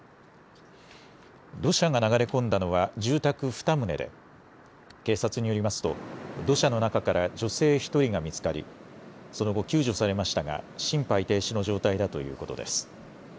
土砂が流れ込んだのは、住宅２棟で、警察によりますと、土砂の中から女性１人が見つかり、その後、救助されましたが、心肺停止の状態だということです。